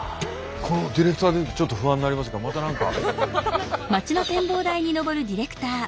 このディレクター出てくるとちょっと不安になりますがまた何か。